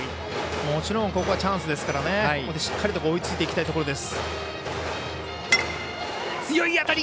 もちろんここはチャンスですからしっかりと追いついていきたいところです。